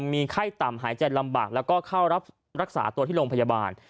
มีไข้ต่ำหายใจลำบากแล้วก็เข้ารับรักษาตัวที่โรงพยาบาล